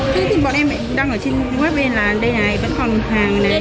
thế thì bọn em đăng ở trên web bên là đây này vẫn còn hàng này